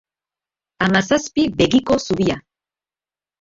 Hamazazpi begiko zubia!